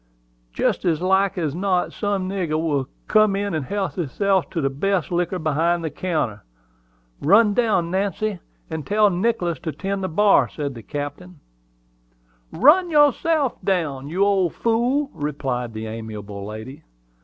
Jest as like as not some nigger will come in and help hisself to the best liquor behind the counter. Run down, Nancy, and tell Nicholas to tend to the bar," said the captain. "Run down yourself, you old fool!" replied the amiable lady.